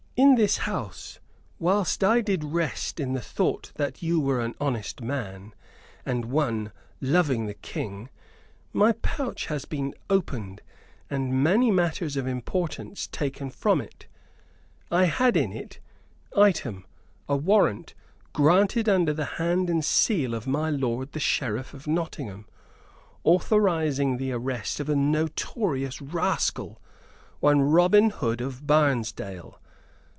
In this house, whilst I did rest in the thought that you were an honest man and one loving the King, my pouch has been opened and many matters of importance taken from it. I had in it, item, a warrant, granted under the hand and seal of my lord the Sheriff of Nottingham, authorizing the arrest of a notorious rascal, one Robin Hood of Barnesdale.